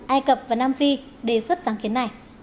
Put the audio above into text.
ai cập và nam phi đề xuất sáng kiến này